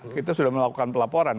kita sudah melakukan pelaporan